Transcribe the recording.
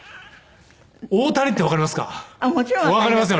大谷ってわかりますか？